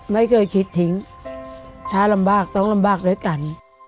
ไม่เคยคิดทิ้งถ้าลำบากต้องลำบากด้วยกัน